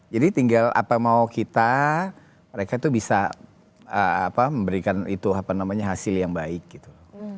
jadi tinggal apa mau kita mereka tuh bisa apa memberikan itu apa namanya hasil yang baik gitu